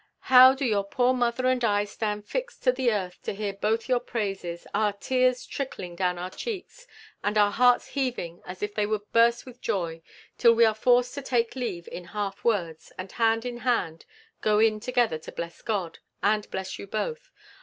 How do your poor mother and I stand fixed to the earth to hear both your praises, our tears trickling down our cheeks, and our hearts heaving as if they would burst with joy, till we are forced to take leave in half words, and hand in hand go in together to bless God, and bless you both.